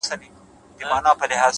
د اوښ بـارونـه پـــه واوښـتـل!!